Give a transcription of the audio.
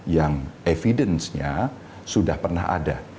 yang evidence nya sudah pernah ada